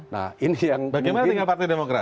bagaimana dengan partai demokrat